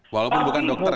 walaupun bukan dokter ya